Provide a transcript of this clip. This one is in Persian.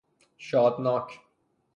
شادناک